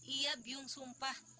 iya bium sumpah